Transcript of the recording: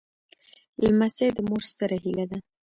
لمسی د مور ستره هيله ده.